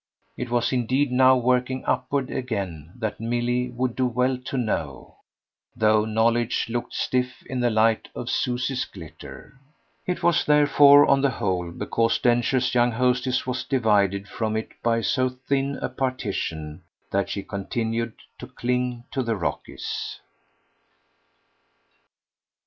It was indeed now working upward again that Milly would do well to know, though knowledge looked stiff in the light of Susie's glitter. It was therefore on the whole because Densher's young hostess was divided from it by so thin a partition that she continued to cling to the Rockies.